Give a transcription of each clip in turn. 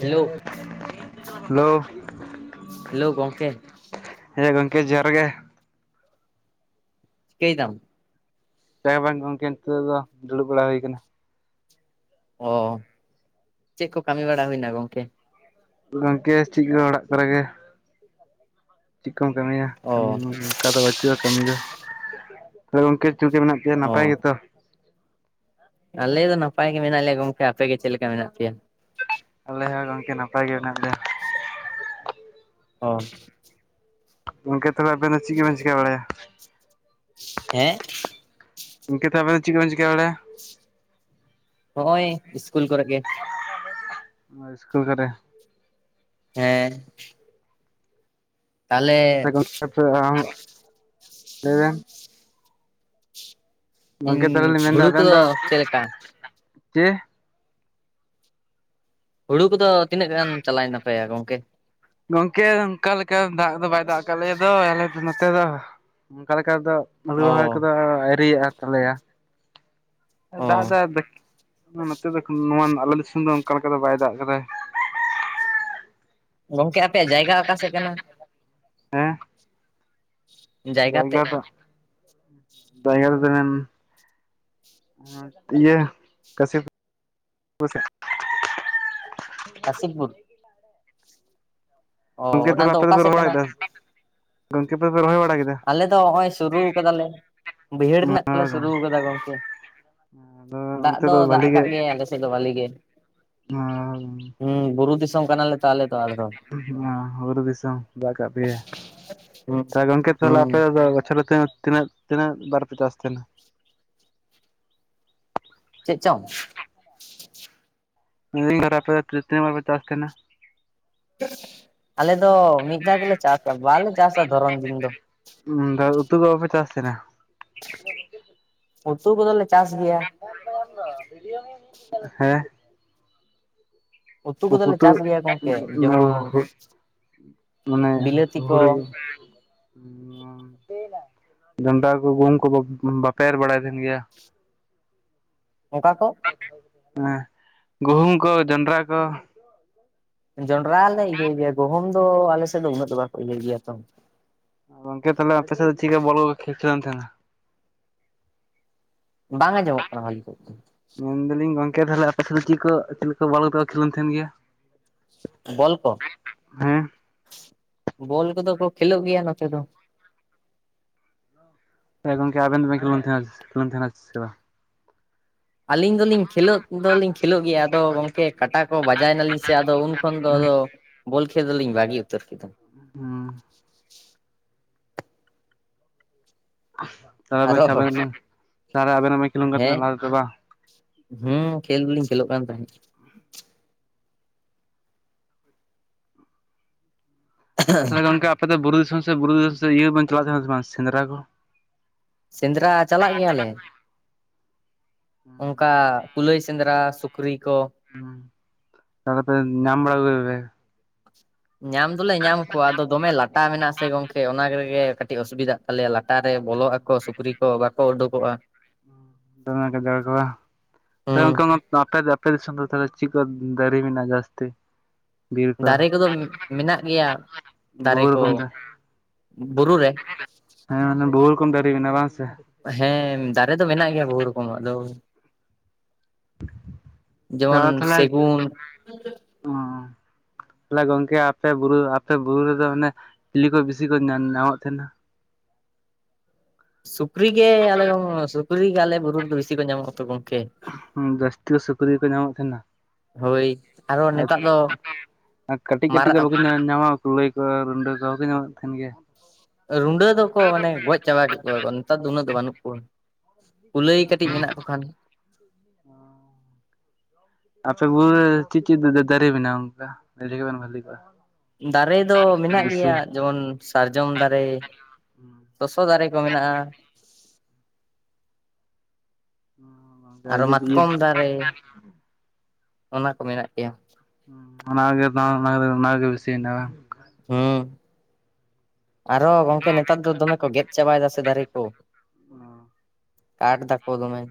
Hello [unintelligible] hello hello ᱜᱚᱝᱠᱮ ᱾ ᱦᱮᱸ ᱜᱚᱝᱠᱮ ᱡᱚᱦᱟᱨ ᱜᱮ ᱾ ᱪᱤᱠᱟᱹᱭ ᱫᱟᱢ? ᱪᱤᱠᱟ ᱦᱚᱸ ᱵᱟᱝ ᱜᱚᱝᱠᱮ ᱱᱤᱛᱚᱜ ᱫᱚ ᱫᱩᱲᱩᱵ ᱵᱟᱲᱟ ᱦᱩᱭ ᱠᱟᱱᱟ ᱾ ᱚ, ᱪᱮᱫ ᱠᱚ ᱠᱟᱹᱢᱤ ᱵᱟᱲᱟ ᱦᱩᱭᱱᱟ ᱜᱚᱝᱠᱮ? ᱜᱚᱝᱠᱮ ᱪᱮᱫ ᱜᱤᱵᱟ ᱚᱲᱟᱜ ᱠᱚᱨᱮ ᱜᱮ ᱾ ᱪᱮᱫ ᱠᱚᱢ ᱠᱟᱹᱢᱤᱭᱟ ᱠᱟᱹᱢᱤ ᱚ ᱢᱟ ᱚᱱᱠᱟ ᱫᱚ ᱵᱟᱹᱪᱩᱜᱼᱟ ᱠᱟᱹᱢᱤ ᱫᱚ, ᱛᱚ ᱜᱚᱝᱠᱮ ᱪᱮᱫ ᱠᱟ ᱢᱮᱱᱟᱜ ᱯᱮᱭᱟ ᱚ ᱱᱟᱯᱟᱭ ᱜᱮᱛᱚ? ᱟᱞᱮ ᱫᱚ ᱱᱟᱯᱟᱭ ᱜᱮ ᱢᱮᱱᱟᱜ ᱞᱮᱭᱟ ᱜᱚᱝᱠᱮ, ᱟᱯᱮ ᱜᱮ ᱪᱮᱫ ᱞᱮᱠᱟ ᱢᱮᱱᱟᱜ ᱯᱮᱭᱟ? ᱟᱞᱮ ᱦᱚᱸ ᱜᱚᱝᱠᱮ ᱱᱟᱯᱟᱭ ᱜᱮ ᱢᱮᱱᱟᱜ ᱞᱮᱭᱟ ᱾ ᱚ ᱾ ᱜᱚᱝᱠᱮ ᱛᱚᱵᱮ ᱟᱵᱮᱱ ᱫᱚ ᱪᱮᱫ ᱠᱚᱵᱮᱱ ᱪᱤᱠᱟ ᱵᱟᱲᱟᱭᱟ? ᱦᱮᱸ? ᱜᱚᱝᱠᱮ ᱛᱚ ᱟᱵᱮᱱ ᱫᱚ ᱪᱮᱫ ᱠᱚᱵᱮᱱ ᱪᱤᱠᱟ ᱵᱟᱲᱟᱭᱟ? ᱦᱚᱸᱜᱼᱚᱭ ᱤᱥᱠᱩᱞ ᱠᱚᱨᱮ ᱜᱮ ᱾ ᱚ ᱤᱥᱠᱩᱞ ᱠᱚᱨᱮ? ᱦᱮᱸ ᱾ [unintelligible] ᱞᱟᱹᱭᱵᱮᱱ ᱾ ᱤᱧ ᱜᱚᱝᱠᱮ ᱛᱟᱦᱮᱞᱮ ᱞᱤᱧ ᱢᱮᱱᱫᱟ ᱦᱩᱲᱩ ᱟᱵᱮᱱ ᱠᱚᱫᱚ ᱫᱚ ᱪᱮᱫ ᱞᱮᱠᱟ ᱪᱮ, ᱦᱩᱲᱩ ᱠᱚᱫᱚ ᱛᱤᱱᱟᱹᱜ ᱜᱟᱱ ᱪᱟᱞᱟᱭ ᱮᱱ ᱛᱟᱯᱮ ᱜᱚᱝᱠᱮ? ᱜᱚᱝᱠᱮ ᱚᱱᱠᱟ ᱞᱮᱠᱟ ᱫᱟᱜ ᱫᱚ ᱵᱟᱭ ᱫᱟᱜ ᱠᱟᱜ ᱞᱮ ᱫᱚᱭ ᱟᱞᱮ ᱫᱚ ᱱᱚᱛᱮ ᱫᱚ ᱚᱱᱠᱟ ᱞᱮᱠᱟ ᱫᱚ, ᱦᱩᱲᱩ ᱚ ᱨᱚᱦᱚᱭ ᱠᱚᱫᱚ ᱟ ᱟᱣᱨᱤᱭᱟᱜ ᱛᱟᱞᱮᱭᱟ᱾ ᱚ ᱫᱟᱜ ᱫᱟᱭ [unintelligible] ᱱᱚᱛᱮ ᱫᱚ [unintelligible] ᱱᱚᱣᱟᱱ ᱟᱞᱮᱫᱚ ᱫᱤᱥᱚᱢ ᱫᱚ ᱚᱱᱠᱟ ᱞᱮᱠᱟ ᱫᱚ ᱵᱟᱭ ᱫᱟᱜ ᱠᱟᱫᱟᱭ᱾ ᱜᱚᱝᱠᱮ ᱟᱯᱮᱭᱟᱜ ᱡᱟᱭᱜᱟ ᱟᱠᱟᱥᱮᱜ ᱠᱟᱱᱟ? ᱦᱮᱸ, ᱡᱟᱭᱜᱟ ᱫᱟᱜ [unintelligible] [unintelligible] [inaudible] ᱠᱟᱥᱤᱯᱩᱨ᱾ ᱚ ᱜᱚᱝᱠᱮ ᱚᱱᱟ ᱛᱟᱦᱚᱞᱮ ᱫᱚ ᱟᱯᱮ ᱚᱠᱟ ᱫᱚᱯᱮ ᱥᱮᱜ ᱨᱚᱦᱚᱭ ᱠᱟᱱᱟ? ᱠᱮᱫᱟ ᱜᱚᱝᱠᱮ ᱟᱯᱮ ᱯᱮ ᱨᱚᱦᱚᱭ ᱵᱟᱲᱟ ᱠᱮᱫᱟ ᱟᱞᱮ ᱫᱚ ᱦᱚᱸᱜᱼᱚᱭ ᱥᱩᱨᱩ ᱠᱟᱫ ᱟᱞᱮ᱾ ᱵᱟᱹᱭᱦᱟᱹᱲ ᱨᱮᱱᱟᱜ ᱠᱚᱞᱮ ᱥᱩᱨᱩ ᱠᱟᱫ-ᱟ ᱜᱚᱝᱠᱮ᱾ ᱟᱫᱚ ᱫᱟᱜ ᱚᱱᱛᱮ ᱫᱚ ᱫᱟᱜ ᱵᱷᱟᱹᱞᱤ ᱜᱮ ᱟᱠᱟᱜ ᱜᱮᱭᱟᱭ ᱟᱞᱮ ᱥᱮᱫ ᱫᱚ ᱵᱷᱟᱞᱤ ᱜᱮ᱾ ᱦᱩᱸ ᱵᱩᱨᱩ ᱫᱤᱥᱚᱢ ᱠᱟᱱᱟᱞᱮ ᱛᱚ ᱟᱞᱮ ᱫᱚ ᱟᱞᱮ ᱫᱚ। [unintelligible] ᱦᱩᱸ ᱵᱩᱨᱩ ᱫᱤᱥᱚᱢ। ᱫᱟᱜ ᱠᱟᱜ ᱯᱮᱭᱟ ᱦᱩᱸ ᱛᱟ ᱜᱚᱢᱠᱮ ᱦᱩᱸ ᱛᱟᱦᱚᱞᱮ ᱟᱯᱮ ᱫᱚ ᱵᱚᱪᱷᱚᱨ ᱨᱮ ᱛᱤᱱᱟᱹᱜ ᱛᱤᱱᱟᱹᱜ ᱛᱤᱱᱟᱹᱜ ᱵᱟᱨᱯᱮ ᱪᱟᱥ ᱛᱟᱦᱮᱱᱟ? ᱪᱮᱜ ᱪᱚᱝ? [inaudible] ᱟᱯᱮ ᱫᱚ ᱛᱤ ᱛᱤᱱᱟᱹᱜ ᱵᱟᱨ ᱯᱮ ᱪᱟᱥ ᱛᱟᱦᱮᱱᱟ? ᱟᱞᱮ ᱫᱚ ᱢᱤᱫ ᱫᱷᱟᱣ ᱜᱮᱞᱮ ᱪᱟᱥ-ᱟ ᱵᱟᱞᱮ ᱪᱟᱥ-ᱟ ᱫᱷᱚᱨᱚᱱ ᱫᱤᱱ ᱫᱚ। [unintelligible] ᱩᱛᱩ ᱠᱚ ᱵᱟᱯᱮ ᱪᱟᱥ ᱛᱟᱦᱮᱱᱟ? ᱩᱛᱩ ᱠᱚᱫᱚᱞᱮ ᱪᱟᱥ ᱜᱮᱭᱟ। [unintelligible] ᱦᱮᱸ, ᱩᱛᱩ ᱠᱚᱫᱚᱞᱮ ᱪᱟᱥ ᱜᱮᱭᱟ ᱜᱚᱝᱠᱮ ᱡᱮᱢᱚᱱ [unintelligible] ᱢᱟᱱᱮ ᱵᱤᱞᱟᱹᱛᱤ ᱠᱚ ᱦᱩᱲᱩ᱾ [unintelligible] ᱡᱚᱱᱰᱨᱟ ᱠᱚ ᱜᱩᱦᱩᱢ ᱠᱚ ᱵᱟᱯᱮ ᱮᱨ ᱵᱟᱲᱟᱭ ᱛᱟᱦᱮᱱ ᱜᱮᱭᱟ? ᱚᱠᱟ ᱠᱚ? ᱦᱮ ᱜᱩᱦᱩᱢ ᱠᱚ ᱡᱚᱱᱰᱨᱟ ᱠᱚ। ᱡᱚᱱᱰᱨᱟ ᱞᱮ ᱤᱭᱟᱹ ᱜᱮᱭᱟ ᱜᱚᱦᱚᱢ ᱫᱚ ᱟᱞᱮᱥᱮᱫ ᱫᱚ ᱩᱱᱟᱹᱜ ᱫᱚ ᱵᱟᱠᱚ ᱤᱭᱟᱹᱭ ᱜᱮᱭᱟ ᱛᱚ। ᱜᱚᱝᱠᱮ ᱛᱟᱦᱞᱮ ᱟᱯᱮ ᱥᱮᱫ ᱫᱚ ᱪᱤᱠᱟ ᱵᱚᱞ ᱠᱷᱮᱞ [unintelligible] ᱛᱟᱦᱮᱱᱟ? ᱵᱟᱝ ᱟᱸᱡᱚᱢᱚᱜ ᱠᱟᱱᱟ ᱵᱷᱟᱹᱞᱤ ᱠᱚ ᱫᱚ। ᱢᱮᱱᱫᱟᱞᱤᱧ ᱜᱚᱝᱠᱮ ᱛᱟᱦᱚᱞᱮ ᱟᱯᱮ ᱫᱚ ᱪᱤᱞ ᱠᱚ ᱪᱤ ᱞᱮᱠᱟ ᱵᱚᱞ ᱠᱚ ᱠᱷᱮᱞᱳᱱ ᱛᱟᱦᱮᱱ ᱜᱮᱭᱟ? ᱵᱚᱞ ᱠᱚ? ᱦᱮᱸ। ᱵᱚᱞ ᱠᱚᱫᱚ ᱠᱚ ᱠᱷᱮᱞᱳᱜ ᱜᱮᱭᱟ ᱱᱚᱛᱮ ᱫᱚ। ᱦᱮᱸ ᱜᱚᱝᱠᱮ ᱟᱵᱮᱱ ᱫᱚ ᱵᱮᱱ ᱠᱷᱮᱞᱳᱱ ᱛᱟᱦᱮᱱ ᱠᱷᱮᱞᱳᱱ ᱛᱟᱦᱮᱱᱟ ᱥᱮ ᱵᱟᱝ? ᱟᱹᱞᱤᱧ ᱫᱚᱞᱤᱧ ᱠᱷᱮᱞᱳᱜ ᱫᱚᱞᱤᱧ ᱠᱷᱮᱞᱳᱜ ᱜᱮᱭᱟ ᱟᱫᱚ ᱜᱚᱝᱠᱮ ᱠᱟᱴᱟ ᱠᱚ ᱵᱟᱡᱟᱭᱱᱟᱞᱤᱧ ᱥᱮ ᱟᱫᱚ ᱩᱱ ᱠᱷᱚᱱ ᱫᱚ ᱟᱫᱚ ᱵᱚᱞ ᱠᱷᱮᱞ ᱫᱚᱞᱤᱧ ᱵᱟᱹᱜᱤ ᱩᱛᱟᱹᱨ ᱠᱮᱫᱟ। [inaudible] [unintelligible] ᱟᱨᱚ ᱛᱟᱞᱮ ᱟᱵᱮᱱ ᱦᱚᱵᱮᱱ ᱠᱷᱮᱞᱳᱜ ᱠᱟᱱ [unintelligible] ᱦᱮᱸ ᱞᱟᱦᱟ ᱛᱮᱫᱚ ᱵᱟᱝ? ᱦᱩᱸ ᱠᱷᱮᱞ ᱫᱚᱞᱤᱧ ᱠᱷᱮᱞᱳᱜ ᱠᱟᱱ ᱛᱟᱦᱮᱸᱫ। ᱛᱟᱦᱞᱮ ᱜᱟᱝᱠᱮ ᱟᱯᱮ ᱫᱚ ᱵᱩᱨᱩ ᱫᱤᱥᱚᱢ ᱥᱮ ᱵᱩᱨᱩ [unintelligible] ᱤᱭᱟᱹ ᱵᱮᱱ ᱪᱟᱞᱟᱜ ᱛᱟᱦᱮᱱᱟ ᱥᱮ ᱵᱟᱝ ᱥᱮᱸᱫᱽᱨᱟ ᱠᱚ? ᱥᱮᱸᱫᱽᱨᱟ ᱪᱟᱞᱟᱜ ᱜᱮᱭᱟᱞᱮ। ᱚᱱᱠᱟ ᱠᱩᱞᱟᱹᱭ ᱥᱮᱸᱫᱽᱨᱟ ᱥᱩᱠᱨᱤ ᱠᱚ। ᱦᱩᱸ, ᱛᱟᱦᱚᱞᱮ ᱯᱮ ᱧᱟᱢ ᱵᱟᱲᱟ ᱞᱮᱫᱟ ᱯᱮ? ᱧᱟᱢ ᱫᱚᱞᱮ ᱧᱟᱢ ᱠᱚᱣᱟ ᱟᱫᱚ ᱫᱚᱢᱮ ᱞᱟᱴᱟ ᱢᱮᱱᱟᱜ-ᱟ ᱥᱮ ᱜᱚᱝᱠᱮ ᱚᱱᱟ ᱨᱮᱜᱮ ᱠᱟᱹᱴᱤᱡ ᱚᱥᱩᱵᱤᱫᱟᱜ ᱟᱞᱮᱭᱟᱜ ᱞᱟᱴᱟ ᱨᱮ ᱵᱚᱞᱚᱜ ᱟᱠᱚ ᱥᱩᱠᱨᱤ ᱠᱚ ᱵᱟᱠᱚ ᱩᱰᱩᱠᱚᱜ-ᱟ। ᱫᱚᱢᱮ ᱜᱟᱡᱟᱲ ᱠᱚᱣᱟ, ᱛᱟᱦᱞᱮ ᱦᱩᱸ ᱜᱚᱝᱠᱮ ᱟᱯᱮ ᱫᱚ ᱟᱯᱮ ᱫᱤᱥᱚᱢ ᱫᱚ ᱛᱟᱦᱞᱮ ᱪᱤᱠ ᱠᱚ ᱫᱟᱨᱤ ᱢᱮᱱᱟᱜ ᱟ ᱡᱟᱥᱛᱤ? ᱫᱟᱨᱮ ᱠᱚᱫᱚ ᱢᱮᱱᱟᱜ ᱜᱮᱭᱟ, ᱫᱟᱨᱮ ᱵᱚᱦᱩ ᱠᱚ, ᱨᱚᱠᱚᱢ ᱦᱮᱸ ᱵᱩᱨᱩ ᱨᱮ? ᱦᱮᱸ, ᱢᱟᱱᱮ ᱵᱩᱦᱩ ᱨᱚᱠᱚᱢ ᱫᱟᱨᱤ ᱢᱮᱱᱟᱜ-ᱟ, ᱵᱟᱝ ᱥᱮ। ᱦᱮᱸ, ᱫᱟᱨᱮ ᱫᱚ ᱢᱮᱱᱟᱜ ᱜᱮᱭᱟ ᱵᱚᱦᱩ ᱨᱚᱠᱚᱢᱟᱜ, ᱟᱫᱚ ᱡᱮᱢᱚᱱ ᱛᱟᱦᱞᱮ ᱥᱮᱜᱩᱱ᱾ ᱛᱟᱦᱚᱞᱮ ᱜᱚᱝᱠᱮ ᱟᱯᱮ ᱵᱩᱨᱩ ᱟᱯᱮ ᱵᱩᱨᱩ ᱨᱮᱫᱚ ᱚᱱᱮ ᱪᱤᱞᱤ ᱠᱚ ᱵᱮᱥᱤ ᱠᱚ ᱧᱟᱢ ᱧᱟᱢᱚᱜ ᱛᱟᱦᱮᱸᱱᱟ? ᱥᱩᱠᱨᱤ ᱜᱮ ᱟᱞᱮ ᱫᱚ ᱥᱩᱠᱨᱤ ᱜᱮ ᱟᱞᱮ ᱵᱩᱨᱩ ᱨᱮᱫᱚ ᱵᱤᱥᱤ ᱠᱚ ᱧᱟᱢᱚᱜ ᱟᱛᱚ ᱜᱚᱝᱠᱮ। ᱦᱩᱸ, ᱡᱟᱹᱥᱛᱤ ᱫᱚ ᱥᱩᱠᱨᱤ ᱜᱮ ᱠᱚ ᱧᱟᱢᱚᱜ ᱛᱟᱦᱮᱱᱟ। ᱦᱳᱭ ᱟᱨᱚ ᱱᱮᱛᱟᱨ [unintelligible] ᱫᱚ ᱠᱟᱹᱴᱤᱡ ᱠᱟᱹᱴᱤᱡ ᱢᱟᱨᱟᱜ ᱠᱚ ᱵᱟᱠᱚ ᱧᱟᱢᱚ ᱧᱟᱢᱚᱜ-ᱟ ᱠᱩᱞᱟᱹᱭ ᱠᱚ ᱨᱩᱰᱟᱹ ᱠᱚ ᱵᱟᱠᱚ ᱧᱟᱢᱚᱜ ᱛᱟᱦᱮᱱ ᱜᱮ? ᱨᱩᱸᱰᱟᱹ ᱫᱚᱠᱚ ᱢᱟᱱᱮ ᱜᱚᱡ ᱪᱟᱵᱟ ᱠᱮᱫ ᱠᱚᱣᱟ ᱠᱚ, ᱱᱮᱛᱟᱨ ᱫᱚ ᱩᱱᱟᱹᱜ ᱫᱚ ᱵᱟᱹᱱᱩᱜ ᱠᱚᱣᱟ। ᱠᱩᱞᱟᱹᱭ ᱠᱟᱹᱴᱤᱡ ᱢᱮᱱᱟᱜ ᱠᱚ ᱠᱷᱟᱱ। ᱚ। ᱟᱯᱮ ᱵᱩᱨᱩ ᱨᱮ ᱪᱤᱱ ᱪᱤᱱ ᱫᱟᱨᱮ ᱢᱮᱱᱟᱜ-ᱟ, ᱚᱱᱠᱟ ᱞᱟᱹᱭ ᱞᱮᱠᱷᱟᱱ ᱵᱤᱱ ᱵᱷᱟᱹᱜᱤ ᱠᱚᱜ-ᱟ? ᱫᱟᱨᱮ ᱫᱚ ᱢᱮᱱᱟᱜ ᱜᱮᱭᱟ ᱡᱮᱢᱚᱱ ᱥᱟᱨᱡᱚᱢ ᱫᱟᱨᱮ, ᱥᱚᱥᱚ ᱫᱟᱨᱮ ᱠᱚ ᱢᱮᱱᱟᱜ-ᱟ᱾ ᱟᱨᱚ ᱢᱟᱛᱠᱚᱢ ᱤᱭᱟᱹ ᱫᱟᱨᱮ, ᱚᱱᱟ ᱠᱚ ᱢᱮᱱᱟᱜ ᱜᱮᱭᱟ᱾ ᱚᱱᱟ ᱨᱮᱜᱮ ᱫᱚᱨ ᱚᱱᱟ ᱜᱮ ᱚᱱᱟᱜᱮ ᱵᱤᱥᱤ ᱢᱮᱱᱟᱜᱼᱟ ᱵᱟᱝ᱾ ᱦᱚᱸ, ᱟᱨᱦᱚ ᱜᱚᱝᱠᱮ ᱱᱮᱛᱟᱨ ᱫᱚ ᱫᱚᱢᱮ ᱠᱚ ᱜᱮᱫ ᱪᱟᱵᱟᱭᱮᱫᱟ ᱥᱮ ᱫᱟᱨᱮ ᱠᱚ᱾ ᱚ᱾ ᱠᱟᱴ ᱫᱟᱠᱚ ᱫᱚᱢᱮ᱾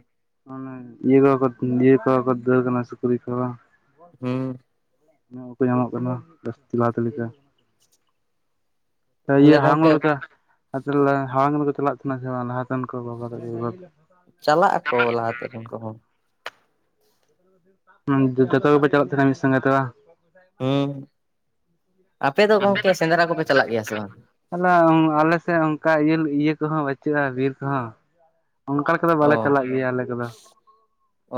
ᱚᱱᱮ ᱤᱭᱟᱹᱠᱚᱦᱚ ᱤᱭᱟᱹ ᱠᱚᱦᱚ ᱠᱚ ᱫᱟᱹᱲ ᱠᱟᱱᱟ ᱥᱩᱠᱨᱤ ᱠᱚᱦᱚ ᱵᱟᱝ᱾ ᱦᱩᱸ᱾ ᱧᱟᱢ ᱵᱟᱠᱚ ᱧᱟᱢᱚᱜ ᱠᱟᱱᱟ ᱡᱟᱹᱥᱛᱤ ᱞᱟᱦᱟᱛᱮ ᱞᱮᱠᱟ᱾ ᱛᱚ ᱛᱟᱦᱚᱞᱮ ᱤᱭᱟᱹ ᱦᱟᱲᱟᱢ ᱜᱚᱝᱠᱮ ᱦᱚᱲ ᱞᱮᱠᱟ᱾ ᱟᱫᱚ ᱛᱟᱦᱚᱞᱮ ᱦᱟᱲᱟᱢ ᱧᱚᱜ ᱠᱚᱠᱚ ᱪᱟᱞᱟᱜ ᱛᱟᱦᱮᱱᱟ ᱪᱮ ᱵᱟᱝ ᱞᱟᱦᱟᱛᱮᱱ ᱠᱚ ᱵᱟᱵᱟ ᱛᱟᱠᱚ ᱠᱚ᱾ ᱪᱟᱞᱟᱜ-ᱟ ᱠᱚ ᱞᱟᱦᱟᱛᱮᱱ ᱠᱚ ᱵᱟᱵᱟ [inaudible] ᱦᱩᱸ, ᱡᱷᱚᱛᱚ ᱜᱮᱯᱮ ᱪᱟᱞᱟᱜ ᱛᱟᱦᱮᱱᱟ ᱢᱤᱫ ᱥᱚᱝᱜᱮ ᱛᱮ ᱵᱟᱝ? ᱦᱩᱸ, ᱟᱯᱮ ᱫᱚ ᱜᱚᱝᱠᱮ ᱥᱮᱸᱫᱽᱨᱟ ᱠᱚᱯᱮ ᱪᱟᱞᱟᱜ ᱜᱮᱭᱟ ᱥᱮ ᱵᱟᱝ? ᱛᱟᱦᱚᱞᱮ ᱟᱞᱮᱥᱮᱫ ᱚᱱᱠᱟ ᱤᱭᱟᱹ ᱤᱭᱟᱹ ᱠᱚᱦᱚᱸ ᱵᱟᱪᱩᱜᱼᱟ ᱵᱤᱨ ᱠᱚᱦᱚᱸ᱾ ᱚᱱᱠᱟ ᱞᱮᱠᱟ ᱫᱚ ᱚ ᱵᱟᱞᱮ ᱪᱟᱞᱟᱜ ᱜᱮᱭᱟ ᱟᱞᱮ ᱠᱚᱫᱚ᱾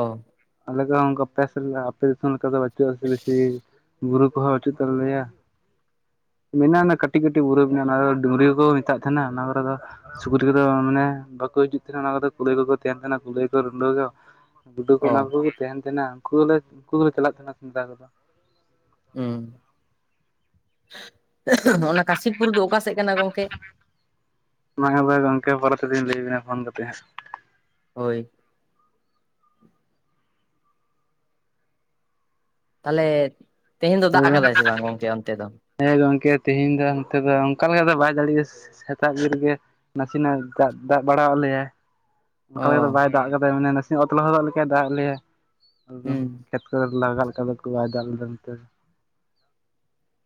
ᱚ ᱟᱞᱮ ᱫᱚ ᱚᱱᱠᱟ [unintelligible] ᱟᱯᱮ ᱫᱤᱥᱚᱢ ᱞᱮᱠᱟ ᱫᱚ ᱵᱟᱪᱩᱜ-ᱟ, ᱥᱮ ᱵᱮᱥᱤ ᱵᱩᱨᱩ ᱠᱚᱦᱚᱸ ᱵᱟᱪᱩᱜ ᱛᱟᱞᱮᱭᱟ ᱾ ᱢᱮᱱᱟᱜ-ᱟ, ᱚᱱᱟ ᱠᱟᱹᱴᱤᱡ ᱠᱟᱹᱴᱤᱡ ᱵᱩᱨᱩ ᱢᱮᱱᱟᱜ-ᱟ, ᱚᱱᱟ ᱰᱩᱝᱨᱤ ᱠᱚ ᱠᱚ ᱢᱮᱛᱟᱜ ᱛᱟᱦᱮᱱᱟ ᱚᱱᱟ ᱠᱚᱨᱮ ᱫᱚ ᱥᱩᱠᱨᱤ ᱠᱚᱫᱚ ᱢᱟᱱᱮ ᱵᱟᱠᱚ ᱦᱤᱡᱩᱜ ᱚᱱᱟ ᱠᱚᱫᱚ ᱠᱩᱞᱟᱹᱭ ᱠᱚᱠᱚ ᱛᱟᱦᱮᱱ ᱠᱟᱱᱟ, ᱠᱩᱞᱟᱹᱭ ᱠᱚ ᱨᱩᱸᱰᱟᱹ ᱠᱚ ᱜᱩᱰᱩ ᱠᱚ ᱚ ᱚᱱᱟ ᱠᱩᱜᱤ᱾ ᱛᱟᱦᱮᱱ ᱛᱟᱦᱮᱸᱱᱟ ᱩᱱᱠᱩ ᱜᱮᱞᱮ ᱩᱱᱠᱩ ᱜᱮᱞᱮ ᱪᱟᱞᱟᱜ ᱛᱟᱦᱮᱱᱟ ᱥᱮᱫᱽᱸᱨᱟ ᱠᱚᱫᱚ᱾ ᱦᱩᱸ, ᱦᱚ ᱚᱱᱟ ᱠᱟᱥᱤᱯᱩᱨ ᱫᱚ ᱚᱠᱟ ᱥᱮᱜ ᱠᱟᱱᱟ ᱜᱚᱝᱠᱮ? ᱚᱱᱟ ᱠᱟᱫᱚ ᱜᱚᱝᱠᱮ ᱯᱚᱨᱮ ᱛᱮᱞᱤᱧ ᱞᱟᱹᱭ ᱟᱵᱤᱱᱟ ᱯᱷᱚᱱ ᱠᱟᱛᱮ ᱦᱟᱸᱜ᱾ ᱦᱳᱭ᱾ ᱛᱟᱦᱞᱮ ᱛᱮᱦᱮᱧ ᱫᱚ ᱫᱟᱜ ᱵᱮᱱ ᱟᱠᱟᱫᱟᱭ ᱥᱮ ᱵᱟᱝ ᱜᱚᱝᱠᱮ ᱚᱱᱛᱮ ᱫᱚ? ᱦᱮᱸ ᱜᱚᱝᱠᱮ ᱛᱤᱦᱤᱧ ᱫᱚ ᱱᱚᱛᱮ ᱫᱚ ᱚᱝᱠᱟ ᱞᱮᱠᱟ ᱫᱚ ᱵᱟᱭ ᱡᱟᱹᱲᱤᱥ ᱥᱮᱛᱟᱜ ᱵᱤᱨ ᱨᱮᱜᱮ ᱱᱟᱥᱤᱱᱟᱜ ᱫᱟᱜᱽ ᱫᱟᱜᱽ ᱵᱟᱲᱟᱣ ᱞᱮᱭᱟᱭ᱾ ᱚ ᱚᱱᱠᱟ ᱞᱮᱠᱟ ᱫᱚ ᱵᱟᱭ ᱫᱟᱜᱽ ᱠᱟᱫᱟᱭ ᱢᱟᱱᱮ ᱱᱟᱥᱮᱭᱟᱜ ᱚᱛ ᱞᱚᱦᱚᱫᱚᱜ ᱞᱮᱠᱟᱭ ᱫᱟᱜᱽ ᱞᱮᱟᱭ ᱟᱫᱚ ᱦᱩᱸ ᱠᱷᱮᱛ ᱠᱷᱟᱹᱫ ᱞᱟᱜᱟᱜ ᱞᱮᱠᱟ ᱫᱚ ᱠᱤ ᱵᱟᱭ ᱫᱟᱜᱽ ᱞᱮᱫᱟ ᱱᱚᱛᱮ᱾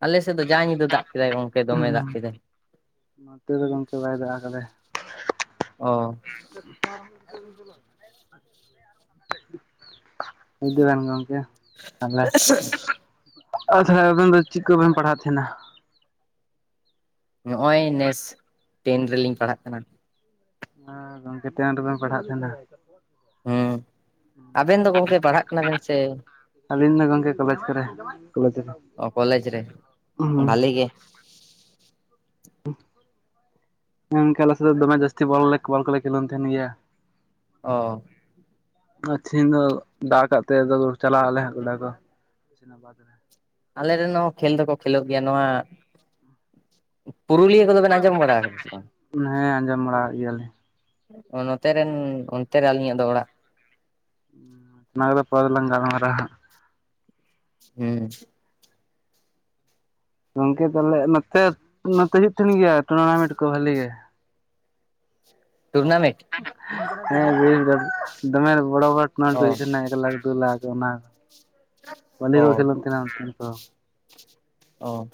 ᱟᱞᱮ ᱥᱮᱜ ᱫᱚ ᱡᱟ ᱧᱤᱫᱟᱹ ᱫᱟᱜᱽ ᱠᱮᱫᱟᱭ ᱜᱚᱝᱠᱮ ᱫᱚᱢᱮᱭ ᱫᱟᱜᱽ ᱠᱮᱫᱟᱭ᱾ ᱱᱚᱛᱮ ᱫᱚ ᱜᱚᱝᱠᱮ ᱵᱟᱭ ᱫᱟᱜᱽ ᱟᱠᱟᱫᱟᱭ, ᱚ [unintelligible] ᱧᱤᱫᱟᱹ ᱜᱟᱱ ᱜᱚᱝᱠᱮ ᱛᱟᱦᱚᱞᱮ [unintelligible] ᱡᱷᱟᱲᱜᱨᱟᱢ ᱨᱮ ᱪᱮᱠᱟᱹᱵᱮᱱ ᱯᱟᱲᱦᱟᱜ ᱛᱟᱦᱮᱸᱱᱟ? ᱱᱚᱜᱼᱚᱭ ᱱᱮᱥ ᱴᱮᱱ ᱨᱮᱞᱤᱧ ᱯᱟᱲᱦᱟᱜ ᱠᱟᱱᱟ᱾ ᱦᱮᱸ ᱜᱚᱝᱠᱮ ᱴᱮᱱ ᱨᱮᱵᱮᱱ ᱯᱟᱲᱦᱟᱜ ᱠᱟᱱᱫᱚ, ᱦᱩᱸ ᱟᱵᱮᱱ ᱫᱚ ᱜᱚᱝᱠᱮ ᱯᱟᱲᱦᱟᱜ ᱠᱟᱱᱟ ᱵᱮᱱ ᱥᱮ ᱟᱞᱤᱧ ᱢᱟ ᱜᱚᱝᱠᱮ ᱠᱚᱞᱮᱡᱽ ᱠᱚᱨᱮ, ᱠᱚᱞᱮᱡᱽ ᱨᱮ ᱚ ᱠᱚᱞᱡᱽ ᱨᱮ ᱦᱩᱸ ᱵᱷᱟᱞᱮ ᱜᱮ᱾ ᱦᱮᱸ ᱜᱚᱝᱠᱮ ᱟᱞᱮᱥᱮᱜ ᱫᱚ ᱫᱚᱢᱮ ᱡᱟᱹᱥᱛᱤ ᱵᱚᱞ ᱦᱚᱞᱮ ᱵᱚᱞ ᱠᱚᱞᱮ ᱠᱷᱮᱞᱚᱱ ᱛᱟᱦᱮᱸᱱ ᱜᱮᱭᱟ᱾ ᱚ ᱟᱨ ᱛᱮᱦᱤᱧ ᱫᱚ ᱫᱟᱜᱽ ᱠᱟᱜ ᱛᱮ ᱟᱫᱚ ᱪᱟᱞᱟᱜ ᱟᱞᱮ ᱦᱟᱸᱜ ᱜᱚᱰᱟ ᱫᱚ᱾ ᱥᱮᱱᱟ ᱵᱟᱫ ᱨᱮ ᱟᱞᱮ ᱨᱮᱱ ᱦᱚᱸ ᱠᱷᱮᱞ ᱫᱚᱠᱚ ᱠᱷᱮᱞᱚᱜ ᱜᱮᱭᱟ ᱱᱚᱣᱟ ᱯᱩᱨᱩᱞᱤᱭᱟᱹ [unintelligible] ᱫᱚ ᱵᱮᱱ ᱟᱸᱡᱚᱢ ᱵᱟᱲᱟ ᱠᱟᱫᱟ ᱥᱮ ᱵᱟᱝ? ᱦᱮᱸ ᱟᱸᱡᱚᱢ ᱵᱟᱲᱟᱣ ᱠᱟ ᱜᱮᱭᱟ ᱞᱤᱧ᱾ ᱚ ᱱᱚᱛᱮ ᱨᱮᱱ ᱚᱱᱛᱮ ᱨᱮ ᱟᱹᱞᱤᱧᱟᱜ ᱫᱚ ᱚᱲᱟᱜ, ᱚᱱᱟᱠᱚᱫᱚ ᱯᱚᱨᱮ ᱞᱟᱝ ᱜᱟᱞᱢᱟᱨᱟᱜᱼᱟ ᱦᱟᱸᱜ᱾ ᱦᱮᱸ, ᱜᱚᱝᱠᱮ ᱛᱟᱞᱮ ᱱᱚᱛᱮ ᱱᱚᱛᱮ ᱦᱩᱭᱩᱜ ᱛᱟᱦᱮᱸᱱ ᱜᱮᱭᱟ ᱴᱩᱨᱱᱟᱢᱮᱱᱴ ᱠᱚ ᱵᱷᱟᱹᱞᱤ ᱜᱮ᱾ ᱴᱩᱨᱱᱟᱢᱮᱴ, ᱦᱮᱸ ᱫᱚ ᱫᱚᱢᱮ ᱵᱚᱲᱚ ᱵᱚᱲᱚ ᱴᱩᱨᱱᱟᱢᱮᱱᱴ ᱠᱚ ᱚ ᱦᱩᱭᱩᱜ ᱛᱟᱦᱮᱸᱱᱟ ᱮᱠᱞᱟᱠᱷ ᱫᱩ ᱞᱟᱠᱷ ᱚᱱᱟ, ᱢᱟᱹᱱᱤ ᱚ ᱠᱚ ᱠᱷᱮᱞᱚᱱ ᱛᱟᱦᱮᱸᱱᱟ ᱚᱱᱛᱮᱱ ᱠᱚ᱾ ᱚᱛ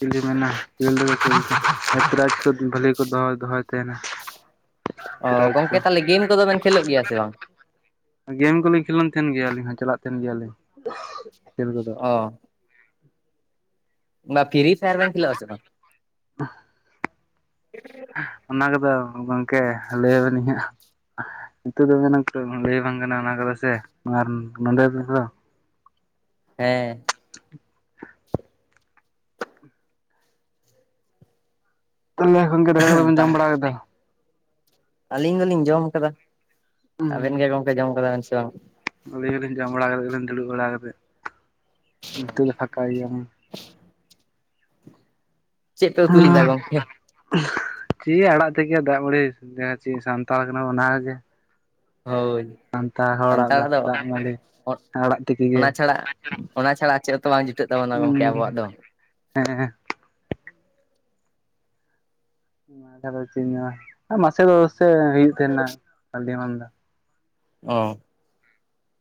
ᱤᱧᱫᱚᱧ ᱢᱮᱱᱟ [unintelligible] ᱵᱷᱟᱹᱞᱤ ᱠᱚ ᱫᱚᱦᱚ ᱫᱚᱦᱚᱭ ᱛᱟᱦᱮᱸᱱᱟ᱾ ᱚ ᱜᱚᱝᱠᱮ ᱛᱟᱦᱚᱞᱮ ᱜᱮᱢ ᱠᱚᱫᱚ ᱵᱮᱱ ᱠᱷᱮᱞᱚᱜ ᱜᱮᱭᱟ ᱥᱮ ᱵᱟᱝ? ᱜᱮᱢ ᱠᱚᱞᱤᱧ ᱠᱷᱮᱞᱳᱱ ᱛᱟᱦᱮᱸᱱ ᱜᱮᱭᱟ ᱟᱹᱞᱤᱧ ᱦᱚᱸ ᱪᱟᱞᱟᱜ ᱛᱟᱦᱮᱸᱱ ᱜᱮᱭᱟ ᱞᱤᱧ ᱠᱷᱮᱞ ᱠᱚ ᱫᱚ᱾ ᱚ ᱚᱱᱟ ᱯᱷᱤᱨᱤ ᱯᱷᱟᱭᱟᱨ ᱵᱮᱱ ᱠᱷᱮᱞᱚᱜᱼᱟ ᱥᱮ ᱵᱟᱝ? [unintelligible] [unintelligible] ᱚᱱᱟ ᱠᱚᱫᱚ ᱜᱚᱝᱠᱮ ᱞᱟᱹᱭ ᱵᱤᱱᱟᱹᱧ ᱦᱟᱸᱜ᱾ ᱱᱤᱛᱚᱜ ᱫᱚ ᱦᱩᱭᱱᱟ [unintelligible] ᱞᱟᱹᱭ ᱵᱟᱝ ᱜᱟᱱᱚᱜᱼᱟ ᱚᱱᱟ ᱠᱚᱫᱚ ᱥᱮ ᱟᱨ [unintelligible] ᱱᱚᱰᱮ [unintelligible] ᱫᱚ ᱦᱮᱸᱻ [inaudible] ᱛᱟᱞᱮ ᱜᱚᱝᱠᱮ ᱫᱟᱠᱟ ᱠᱚᱫᱚ ᱵᱮᱱ ᱡᱚᱢ ᱵᱟᱲᱟ ᱠᱮᱫᱟ? ᱟᱹᱞᱤᱧ ᱫᱚᱞᱤᱧ ᱡᱚᱢ ᱠᱟᱫᱟ᱾ ᱦᱩᱸ ᱟᱵᱮᱱ ᱜᱮ ᱜᱚᱝᱠᱮ ᱡᱚᱢ ᱠᱟᱫᱟ ᱵᱮᱱ ᱥᱮ ᱵᱟᱝ? ᱟᱹᱞᱤᱧ ᱦᱚᱸᱞᱤᱧ ᱡᱚᱢ ᱵᱟᱲᱟ ᱠᱟᱛᱮᱜ ᱜᱮ ᱞᱤᱧ ᱫᱩᱲᱩᱵ ᱵᱟᱲᱟ ᱠᱟᱛᱮᱜ [unintelligible] ᱯᱷᱟᱠᱟ ᱜᱮᱭᱟᱞᱤᱧ᱾ ᱪᱮᱫ ᱯᱮ ᱩᱛᱩ ᱞᱮᱫᱟ ᱦᱮᱸᱻ ᱜᱚᱝᱠᱮ ᱪᱤ ᱟᱲᱟᱜ ᱛᱮᱠᱮ ᱫᱟᱜᱽ ᱢᱟᱹᱲᱤ [unintelligible] ᱪᱮᱜ ᱥᱟᱱᱛᱟᱲ ᱠᱟᱱᱟ ᱵᱚᱱ ᱱᱟᱦᱟᱸᱜ ᱡᱮ, ᱦᱳᱭᱻ ᱥᱟᱱᱛᱟᱲ ᱦᱚᱲᱟᱜ ᱫᱚ ᱫᱟᱜ ᱢᱟᱹᱲᱤ, ᱟᱲᱟᱜ ᱛᱤᱠᱤ ᱜᱮ ᱚᱱᱟ ᱪᱷᱟᱲᱟ ᱚᱱᱟ ᱪᱷᱟᱲᱟ ᱪᱮᱫ ᱦᱚᱸᱛᱚ ᱵᱟᱝ ᱡᱩᱴᱟᱹᱜ ᱛᱟᱵᱚᱱᱟ ᱜᱚᱝᱠᱮ ᱟᱵᱚᱣᱟᱜ ᱫᱚ᱾ ᱦᱮᱸᱻ᱾ [unintelligible] ᱪᱮᱜ ᱤᱧ ᱢᱮᱱᱟ ᱟ ᱢᱟᱥᱮ ᱫᱚ ᱥᱮ ᱦᱩᱭᱩᱜ ᱠᱟᱱᱟ ᱟᱹᱰᱤ ᱟᱢᱫᱟ᱾ ᱚ᱾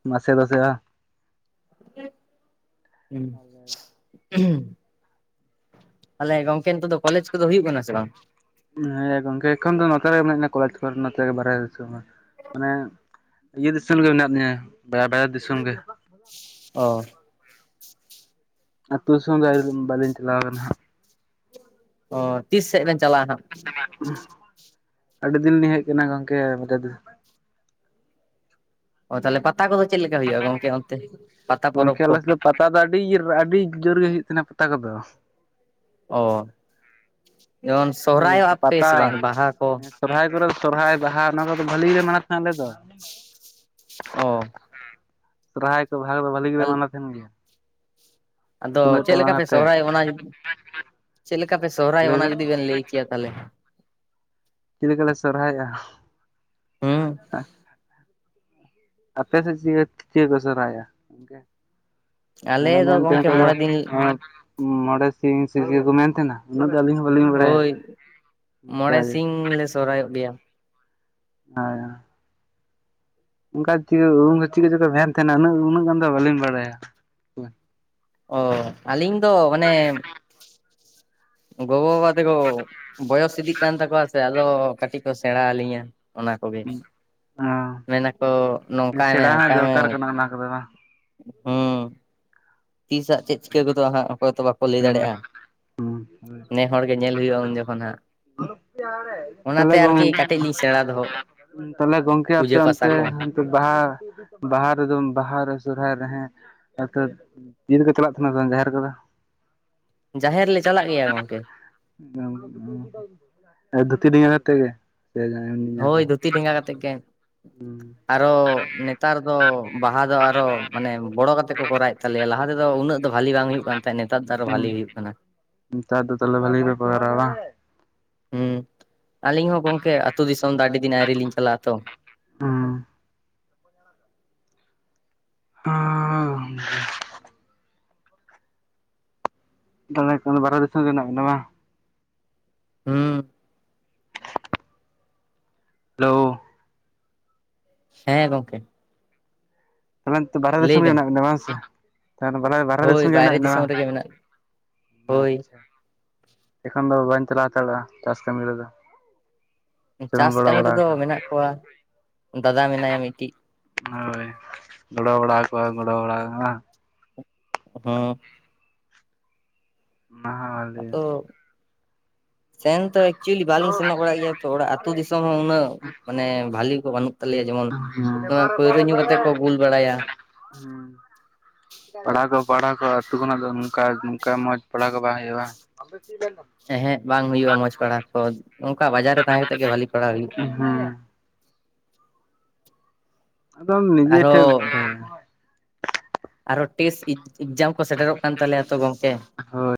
ᱢᱟᱥᱮ ᱫᱚᱥᱮ ᱵᱟ? ᱦᱩᱸ᱾ ᱛᱟᱦᱞᱮ ᱜᱚᱝᱠᱮ ᱱᱤᱛᱚᱜ ᱫᱚ ᱠᱚᱞᱮᱡᱽ ᱠᱚᱫᱚ ᱦᱩᱭᱩᱜ ᱠᱟᱱᱟ ᱥᱮ ᱵᱟᱝ? ᱦᱮᱸ ᱜᱚᱢᱠᱮ ᱮᱠᱷᱚᱱ ᱫᱚ ᱱᱚᱛᱮ ᱨᱮ ᱢᱟᱱᱮ ᱠᱚ ᱠᱚᱞᱮᱡᱽ ᱠᱚᱨᱮ ᱠᱚ ᱱᱚᱛᱮ ᱜᱮ ᱵᱟᱦᱨᱮ [inaudible] ᱢᱟᱱᱮ ᱤᱭᱟᱹ ᱫᱤᱥᱚᱢ ᱨᱮᱜᱮ ᱢᱮᱱᱟᱜ ᱞᱤᱧᱟᱹ ᱵᱭᱟ ᱵᱟᱭᱟᱨ ᱫᱤᱥᱚᱢ ᱜᱮ᱾ ᱚ᱾ ᱟᱛᱩ ᱫᱤᱥᱚᱢ ᱜᱮ ᱟᱨᱤ ᱵᱟᱞᱤᱧ ᱪᱟᱣ ᱠᱟᱱᱟ ᱦᱟᱸᱜ᱾ ᱚ ᱛᱤᱥ ᱥᱮᱫ ᱵᱮᱱ ᱪᱟᱞᱟᱜᱼᱟ ᱦᱟᱸᱜ? ᱟᱹᱰᱤ ᱫᱤᱱ ᱞᱤᱧ ᱦᱮᱡ ᱠᱟᱱᱟ ᱜᱚᱢᱠᱮ ᱵᱟᱨᱦᱮ ᱫᱚ᱾ ᱚ ᱛᱟᱞᱦᱮ ᱯᱟᱛᱟ ᱠᱚᱫᱚ ᱪᱮᱫ ᱞᱮᱠᱟ ᱦᱩᱭᱩᱜᱼᱟ ᱜᱚᱝᱠᱮ ᱚᱱᱛᱮ ᱯᱟᱛᱟ ᱯᱚᱨᱚᱵᱽ ᱜᱚᱝᱠᱮ ᱠᱚ? ᱟᱞᱮ ᱥᱮᱫ ᱫᱚ ᱯᱟᱛᱟ ᱫᱚ ᱟᱹᱰᱤᱳ ᱟᱹᱰᱤ ᱡᱳᱨ ᱜᱮ ᱦᱩᱭᱩᱜ ᱠᱟᱱᱟ ᱯᱟᱛᱟ ᱠᱚᱫᱚ᱾ ᱚ ᱡᱮᱢᱚᱱ ᱥᱚᱦᱨᱟᱭᱚᱜᱼᱟ ᱯᱮ ᱥᱮ ᱵᱟᱝ ᱯᱟᱛᱟ ᱵᱟᱦᱟ ᱠᱚ? ᱥᱚᱨᱦᱟᱭ ᱠᱚᱨᱮ ᱥᱚᱨᱨᱦᱟᱭ ᱵᱟᱦᱟ ᱱᱚᱣᱟ ᱠᱚ ᱫᱚ ᱵᱷᱟᱹᱞᱤ ᱜᱮ ᱢᱟᱱᱟ ᱛᱟᱦᱮᱸ ᱟᱞᱮ ᱫᱚ, ᱚ᱾ ᱥᱚᱨᱦᱟᱭ ᱠᱚ ᱵᱷᱟ ᱵᱷᱟᱹᱞᱤ ᱜᱮᱞᱮ ᱢᱟᱱᱟᱣ ᱛᱟᱦᱮᱸᱱ ᱜᱮᱭᱟ᱾ ᱟᱫᱚ ᱛᱩᱢᱫᱟᱹᱜ ᱪᱮᱫ ᱞᱮᱠᱟ ᱴᱟᱢᱟᱠ ᱯᱮ ᱟᱛᱮᱫ ᱥᱚᱦᱨᱟᱭ ᱚᱜᱼᱟ ᱚᱱᱟ ᱪᱮᱫ ᱞᱮᱠᱟ ᱯᱮ ᱥᱚᱦᱨᱟᱭ ᱚᱜᱼᱟ ᱚᱱᱟ ᱡᱩᱫᱤ ᱵᱮᱱ ᱞᱟᱹᱭ ᱠᱮᱭᱟ ᱛᱟᱦᱚᱞᱮ ᱪᱮᱫ ᱞᱮᱠᱟ ᱞᱮ ᱥᱚᱨᱦᱟᱭᱚᱜᱼᱟ? ᱦᱩᱸ? ᱟᱯᱮ ᱥᱮᱫ ᱪᱮ ᱪᱮᱫ ᱠᱚ ᱥᱚᱨᱦᱟᱭᱚᱜᱼᱟ ᱜᱚᱝᱠᱮ? ᱟᱫᱚ ᱟᱞᱮ ᱫᱚ ᱢᱮᱱᱛᱮᱦᱮ ᱜᱚᱝᱠᱮ ᱢᱚᱬᱮ ᱫᱤᱱ ᱮᱸ ᱢᱚᱬᱮ ᱥᱤᱧ [unintelligible] ᱠᱚ ᱢᱮᱱ ᱛᱟᱦᱮᱸᱱᱟ? ᱩᱱᱟᱹᱜ ᱫᱚ ᱟᱹᱞᱤᱧ ᱦᱚᱸ ᱵᱟᱹᱞᱤᱧ ᱵᱟᱲᱟᱭᱟ ᱦᱳᱭ ᱚᱱᱠᱟᱜᱮ᱾ ᱥᱚᱨᱦᱟᱭᱚᱜ ᱜᱮᱭᱟ᱾ ᱦᱮᱸ᱾ ᱚᱱᱠᱟ ᱪᱮᱫ ᱩᱱᱨᱮ ᱪᱮᱫ ᱠᱚᱪᱚ ᱠᱚ ᱢᱮᱱ ᱛᱟᱦᱮᱸᱱᱟ ᱩᱱᱟᱹᱜ ᱩᱱᱟᱹᱜ ᱜᱟᱱ ᱫᱚ ᱵᱟᱹᱞᱤᱧ ᱵᱟᱲᱟᱭᱟ᱾ ᱚ ᱟᱹᱞᱤᱧ ᱫᱚ ᱢᱟᱱᱮ ᱜᱚᱜᱚ-ᱵᱟᱵᱟ ᱛᱟᱠᱚ ᱵᱚᱭᱚᱥ ᱤᱫᱤᱜ ᱠᱟᱱ ᱛᱟᱠᱚᱣᱟ ᱥᱮ ᱟᱫᱚ ᱠᱟᱹᱴᱤᱡ ᱠᱚ ᱥᱮᱬᱟ ᱟᱹᱞᱤᱧᱟ ᱚᱱᱟ ᱠᱚᱜᱮ᱾ ᱢᱮᱱᱟᱠᱚ ᱚ ᱱᱚᱝᱠᱟᱭ ᱢᱮ ᱥᱮᱬᱟ ᱦᱚᱸ ᱦᱟᱝᱠᱟᱭ ᱢᱮ ᱫᱚᱨᱠᱟᱨ ᱠᱟᱱᱟ ᱚᱱᱟ ᱠᱚᱫᱚ ᱵᱟᱝ ᱦᱩᱸ᱾ ᱛᱤᱥ ᱦᱟᱸᱜ ᱪᱮᱫ ᱪᱤᱠᱟᱹ ᱜᱚᱫᱚ ᱦᱟᱸᱜ ᱚᱠᱚᱭ ᱦᱚᱸᱛᱚ ᱵᱟ ᱠᱚ ᱞᱟᱹᱭ ᱦᱩᱸ ᱫᱟᱲᱮᱭᱟᱜᱼᱟ ᱦᱩᱸ ᱦᱳᱭ ᱱᱮ ᱦᱚᱲ ᱜᱮ ᱧᱮᱞ ᱦᱩᱭᱩᱜᱼᱟ ᱩᱱ ᱡᱚᱠᱷᱚᱱ ᱦᱟᱸᱜ᱾ ᱛᱟᱦᱚᱞᱮ ᱚᱱᱟᱛᱮ ᱜᱚᱝ ᱟᱨᱠᱤ ᱠᱟᱹᱴᱤᱡ ᱞᱤᱧ ᱥᱮᱬᱟ ᱫᱚᱦᱚ ᱛᱟᱦᱚᱞᱮ ᱜᱚᱝᱠᱮ ᱟᱯᱮ ᱯᱩᱡᱟᱹ ᱯᱟᱥᱟ ᱚᱱᱛᱮ ᱠᱚ ᱵᱟᱦᱟ ᱵᱟᱦᱟ ᱨᱮᱫᱚ ᱵᱟᱦᱟ ᱨᱮ ᱥᱚᱨᱚᱦᱟᱭ ᱨᱮ ᱦᱮᱸ ᱟᱫᱚ ᱛᱤᱱ ᱨᱮᱠᱚ ᱪᱟᱞᱟᱜ ᱛᱟᱦᱮᱸᱱᱟ ᱡᱟᱦᱮᱨ ᱠᱚᱫᱚ? ᱡᱟᱦᱮᱨ ᱞᱮ ᱪᱟᱞᱟᱜ ᱜᱮᱭᱟ ᱜᱚᱝᱠᱮ᱾ ᱟ ᱫᱷᱩᱛᱤ ᱰᱮᱸᱜᱟ ᱠᱟᱛᱮᱫ ᱜᱮ? ᱥᱮ ᱡᱟᱦᱟᱸ ᱮᱢᱱᱤ ᱡᱟᱦᱟᱸ ᱦᱳᱭ ᱞᱮᱠᱟ? ᱫᱷᱩᱛᱤ ᱰᱮᱸᱜᱟ ᱠᱟᱛᱮᱫ ᱜᱮ, ᱟᱨᱚ ᱱᱮ ᱛᱟᱨ ᱫᱚ ᱵᱟᱦᱟ ᱫᱚ ᱟᱨᱚ ᱢᱟᱱᱮ ᱵᱚᱲᱚ ᱠᱟᱛᱮ ᱠᱚ ᱠᱚᱨᱟᱣᱮᱫ ᱛᱟᱞᱮᱭᱟ ᱞᱟᱦᱟ ᱛᱮᱫᱚ ᱩᱱᱟᱹᱜ ᱫᱚ ᱵᱷᱟᱹᱞᱤ ᱵᱟᱝ ᱦᱩᱭᱩᱜ ᱠᱟᱱ ᱛᱟᱦᱮᱸᱜ ᱱᱮᱛᱟᱨ ᱫᱚ ᱟᱨᱚ ᱦᱩᱸ ᱵᱷᱟᱞᱤ ᱦᱩᱭᱩᱜ ᱠᱟᱱᱟ᱾ ᱱᱮᱛᱟᱨ ᱫᱚ ᱛᱟᱦᱚᱞᱮ ᱵᱷᱟᱞᱤ ᱜᱮᱯᱮ ᱠᱚᱨᱟᱣ ᱫᱟ ᱵᱟᱝᱻ ᱟᱞᱤᱧ ᱦᱚᱸ ᱜᱚᱝᱠᱮ ᱟᱹᱛᱩ ᱫᱤᱥᱚᱢ ᱫᱚ ᱟᱹᱰᱤ ᱫᱤᱱ ᱟᱭᱨᱤᱞᱤᱧ ᱪᱟᱞᱟᱜ ᱟ ᱛᱚ᱾ ᱚ᱾ [unintelligible] ᱛᱟᱞᱦᱮ ᱱᱤᱛᱚᱝ ᱫᱚ ᱵᱟᱦᱨᱮ ᱫᱤᱥᱚᱢ ᱨᱮ ᱢᱮᱱᱟᱜ ᱵᱤᱱᱟ ᱵᱟᱝ? ᱦᱩᱸ᱾ ᱦᱮᱞᱳ᱾ ᱦᱮᱸ ᱜᱚᱢᱠᱮ᱾ ᱛᱟᱦᱚᱞᱮ ᱱᱤᱛ ᱫᱚ ᱵᱟᱨᱦᱮ ᱫᱤᱥᱚᱢ ᱜᱮ ᱵᱮᱱ ᱢᱮᱱᱟᱜ ᱵᱤᱱᱟ ᱵᱟᱝ ᱥᱮ? ᱛᱟᱦᱚᱞᱮ ᱵᱟᱞᱮ ᱵᱟᱦᱨᱮ ᱦᱳᱭ ᱫᱤᱥᱚᱢ ᱜᱮ ᱵᱟᱭᱨᱮ ᱢᱮᱱᱟᱜ ᱵᱤᱱᱟ ᱫᱤᱥᱚᱢ ᱵᱟᱝ? ᱨᱮᱜᱮ ᱢᱮᱱᱟᱜ ᱦᱳᱭ ᱟᱪᱪᱷᱟ᱾ ᱮᱠᱷᱚᱱ ᱫᱚ ᱵᱟᱹᱧ ᱪᱟᱞᱟᱣ ᱦᱟᱛᱟᱲᱚᱜᱼᱟ ᱪᱟᱥ ᱠᱟᱹᱢᱤ ᱨᱮᱫᱚ᱾ ᱥᱮᱵᱚᱱ ᱪᱟᱥ ᱜᱚᱲᱚ ᱠᱟᱹᱢᱤ ᱵᱟᱲᱟ ᱨᱮᱫᱚ ᱟᱠᱚᱣᱟ ᱢᱮᱱᱟᱜ ᱠᱚᱣᱟ᱾ ᱫᱟᱫᱟ ᱢᱮᱱᱟᱭᱟ ᱢᱤᱫᱴᱤᱡ᱾ ᱦᱳᱭ᱾ ᱜᱚᱲᱚ ᱵᱟᱲᱚ ᱟᱠᱚᱣᱟ ᱜᱚᱲᱚ ᱵᱟᱲᱟ ᱵᱟᱝ᱾ [unintelligible] ᱵᱷᱟᱞᱮᱭᱟ ᱟᱫᱟ ᱥᱮᱱ ᱛᱚ ᱮᱠ ᱮᱠᱪᱩᱭᱮᱞᱤ ᱵᱟᱞᱤᱧ ᱥᱮᱱᱚᱜ ᱵᱟᱲᱟᱜ ᱜᱮᱭᱟ ᱛᱚ ᱚᱲᱟᱜᱺ ᱟᱹᱛᱩ ᱫᱤᱥᱚᱢ ᱦᱚᱸ ᱩᱱᱟᱹᱜ ᱢᱟᱱᱮ ᱵᱷᱟᱞᱤ ᱠᱚ ᱵᱟᱹᱱᱩᱜ ᱠᱚ ᱛᱟᱞᱮᱭᱟ᱾ ᱡᱮᱢᱚᱱ ᱦᱩᱸ ᱫᱚᱢᱮ ᱯᱟᱹᱭᱣᱨᱟᱹ ᱧᱩ ᱠᱟᱛᱮ ᱠᱚ ᱜᱩᱞ ᱵᱟᱲᱟᱭᱟ᱾ ᱦᱩᱸ᱾ ᱯᱟᱲᱦᱟᱣ ᱫᱚ ᱯᱟᱲᱦᱟᱣ ᱠᱚ ᱟᱹᱛᱩ ᱠᱷᱚᱱᱟᱜ ᱫᱚ ᱱᱚᱝᱠᱟ ᱱᱚᱝᱠᱟ ᱢᱚᱡᱽ ᱯᱟᱲᱦᱟᱣ ᱠᱚ ᱵᱟᱝ ᱦᱩᱭᱩᱜᱼᱟ ᱵᱟᱝ? [unintelligible] ᱮᱦᱮᱸᱜ ᱵᱟᱝ ᱦᱩᱭᱩᱜᱼᱟ ᱢᱚᱸᱡᱽ ᱯᱟᱲᱦᱟᱜ ᱠᱚ᱾ ᱚᱝᱠᱟ ᱵᱟᱡᱟᱨ ᱨᱮ ᱛᱟᱦᱮᱸ ᱠᱟᱛᱮᱫ ᱜᱮ ᱵᱷᱟᱹᱞᱤ ᱯᱟᱲᱦᱟᱮ ᱦᱩᱭᱩᱜᱼᱟ᱾ ᱦᱮᱸ᱾ ᱟᱫᱚᱢ ᱬᱤᱡᱮ ᱴᱷᱮᱡ ᱯᱷᱮᱲ᱾ ᱟᱨᱦᱚ ᱴᱮᱥᱴ ᱤᱠ-ᱮᱠᱡᱟᱢ ᱠᱚ ᱥᱮᱴᱮᱨᱚᱜ ᱠᱟᱱ ᱛᱟᱞᱮᱭᱟ ᱛᱚ ᱜᱚᱢᱠᱮ᱾ ᱦᱳᱭ